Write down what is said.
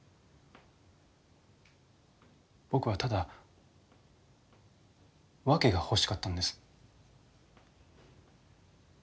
僕はただ訳が欲しかったんです。